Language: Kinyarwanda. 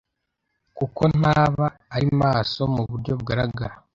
kuko ntaba ari maso mu buryo bugaragara